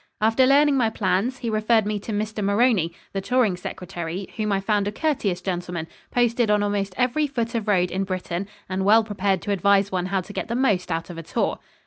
After learning my plans, he referred me to Mr. Maroney, the touring secretary, whom I found a courteous gentleman, posted on almost every foot of road in Britain and well prepared to advise one how to get the most out of a tour.